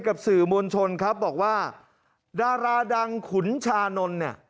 กับสื่อมวลชนครับบอกว่าดาราดังขุนชานนท์เนี่ย